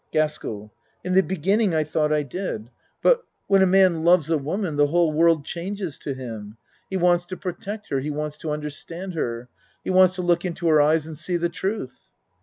GASKELL In the beginning I tho't I did. But, ACT n n when a man loves a woman the whole world changes to him. He wants to protect her he wants to understand her. He wants to look into her eyes and see the truth.